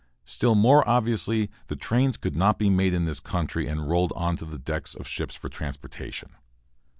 Still more obviously, the trains could not be made in this country and rolled onto the decks of ships for transportation.